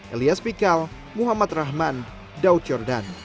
elias pikal muhammad rahman daud jordan